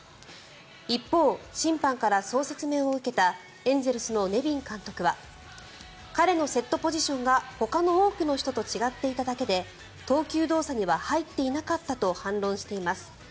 一方、審判からそう説明を受けたエンゼルスのネビン監督は彼のセットポジションがほかの多くの人と違っていただけで投球動作には入っていなかったと反論しています。